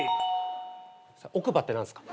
「奥歯」って何すか？